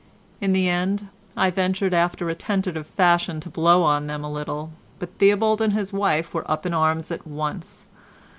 In the end I ventured after a tentative fashion to blow on them a little, but Theobald and his wife were up in arms at once.